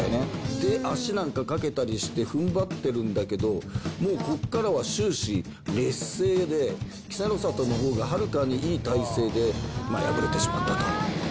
で、足なんかかけたりして、ふんばってるんだけど、もうここからは終始、劣勢で、稀勢の里のほうがはるかにいい体勢で、敗れてしまったと。